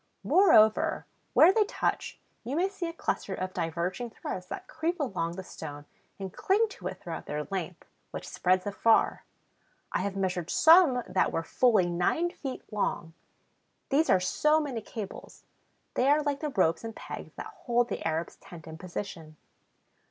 Moreover, where they touch, you may see a cluster of diverging threads that creep along the stone and cling to it throughout their length, which spreads afar. I have measured some that were fully nine feet long. These are so many cables; they are like the ropes and pegs that hold the Arab's tent in position.